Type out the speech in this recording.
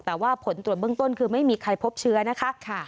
แต่ว่าผลตรวจเบื้องต้นคือไม่มีใครพบเชื้อนะคะ